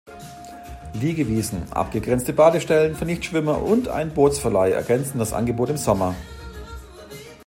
Liegewiesen, abgegrenzte Badestellen für Nichtschwimmer und ein Bootsverleih ergänzen das Angebot im Sommer.